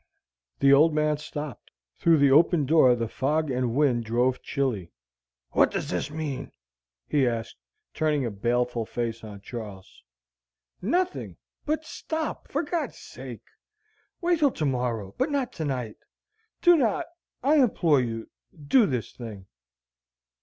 The old man stopped. Through the open door the fog and wind drove chilly. "What does this mean?" he asked, turning a baleful face on Charles. "Nothing but stop for God's sake. Wait till to morrow, but not to night. Do not I implore you do this thing."